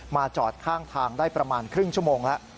จอดข้างทางได้ประมาณครึ่งชั่วโมงแล้ว